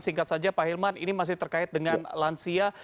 singkat saja pak hilman ini masih terkait dengan lansia